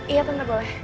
iya tante boleh